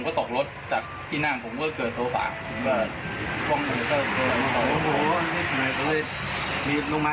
ก็ตกรถจากที่หน้างก็เกิดโทษภาพครับมีน้องม้าน